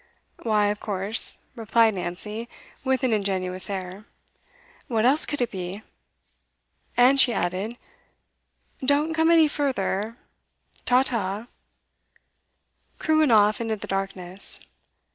'Why, of course,' replied Nancy, with an ingenuous air. 'What else could it be?' And she added, 'Don't come any further. Ta ta!' Crewe went off into the darkness.